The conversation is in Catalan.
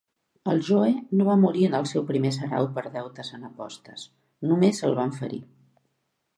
El Joe no va morir en el seu primer sarau per deutes en apostes, només el van ferir.